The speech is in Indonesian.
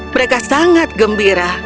mereka sangat gembira